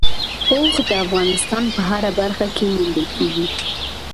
اوښ د افغانستان په هره برخه کې موندل کېږي.